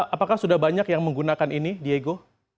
apakah sudah banyak yang menggunakan ini diego